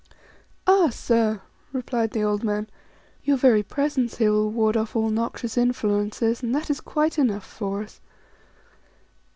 4 " Ah, Sir," replied the old man, " your very presence here will ward off all noxious influences; and that is quite enough for us."